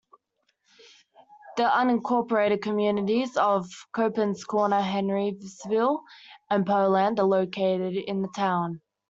The unincorporated communities of Coppens Corner, Henrysville, and Poland are located in the town.